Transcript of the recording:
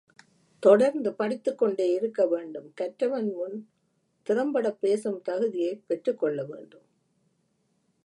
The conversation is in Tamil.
தொடர்ந்து படித்துக்கொண்டே இருக்க வேண்டும் கற்றவர்முன் திறம்படப் பேசும் தகுதியைப் பெற்றுக்கொள்ள வேண்டும்.